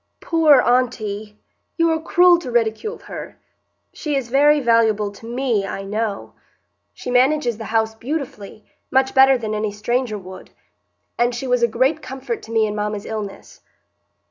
"Poor aunty! You are cruel to ridicule her. She is very valuable to me, I know. She manages the house beautifully,—much better than any stranger would,—and she was a great comfort to me in mamma's illness."